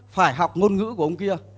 phải học ngôn ngữ của ông kia